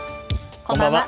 こんばんは。